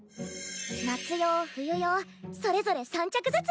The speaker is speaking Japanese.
夏用冬用それぞれ３着ずつ。